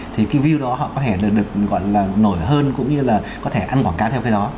thì cái view đó họ có thể được nổi hơn cũng như là có thể ăn quảng cáo theo cái đó